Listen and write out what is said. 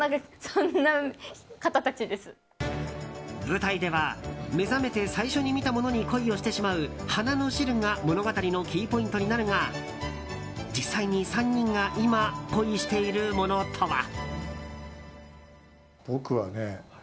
舞台では目覚めて最初に見たものに恋をしてしまう花の汁が物語のキーポイントになるが実際に３人が今、恋しているものとは？